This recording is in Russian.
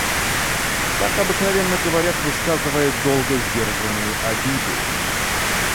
Так обыкновенно говорят, высказывая долго сдержанную обиду.